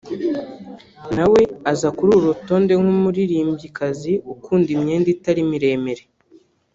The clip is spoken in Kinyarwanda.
na we aza kuri uru rutonde nk’umuririmbyikazi ukunda imyenda itari miremire